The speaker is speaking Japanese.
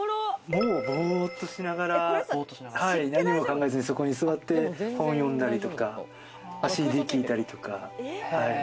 ぼっとしながら何も考えずに、そこに座って本を読んだりとか、ＣＤ聴いたりとか。